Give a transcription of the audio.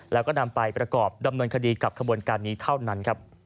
แล้วก็นำไปประกอบดำเนินคดีกับขบวนการนี้เท่านั้นครับ